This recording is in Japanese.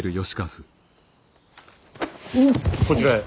こちらへ。